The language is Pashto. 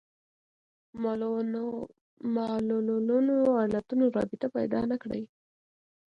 معلولونو علتونو رابطه پیدا نه کړي